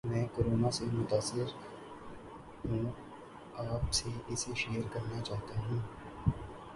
میں کورونا سے متاثر ہوں اپ سے اسے شیئر کرنا چاہتا ہوں